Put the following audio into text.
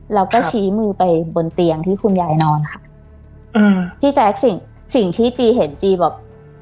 แล้วก็ชี้มือไปบนเตียงที่คุณยายนอนค่ะอืมพี่แจ๊คสิ่งสิ่งที่จีเห็นจีแบบ